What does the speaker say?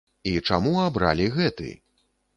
І чаму абралі гэты?